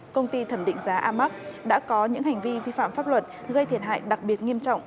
công ty thẩm định giá amac đã có những hành vi vi phạm pháp luật gây thiệt hại đặc biệt nghiêm trọng